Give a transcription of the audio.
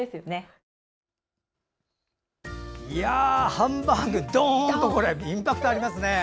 ハンバーグ、ドーンとインパクトありますね。